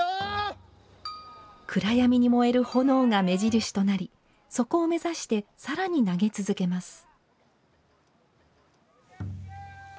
暗闇に燃える炎が目印となりそこを目指してさらに投げ続けます。